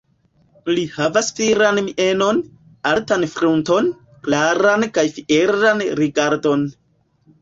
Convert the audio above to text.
Li havas viran mienon, altan frunton, klaran kaj fieran rigardon.